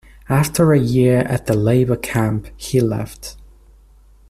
After a year at the labor camp he left.